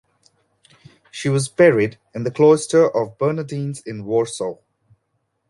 She was buried in the cloister of Bernardin's in Warsaw.